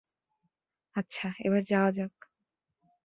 আচ্ছা, এবার যাওয়া যাক।